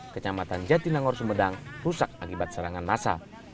kecamatan jatinangor sumedang rusak akibat serangan masa